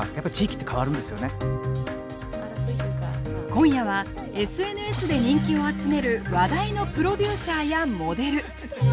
今夜はＳＮＳで人気を集める話題のプロデューサーやモデル。